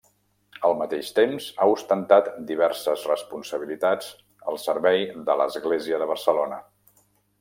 Al mateix temps, ha ostentat diverses responsabilitats al servei de l'Església de Barcelona.